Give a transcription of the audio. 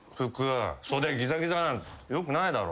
袖ギザギザよくないだろ。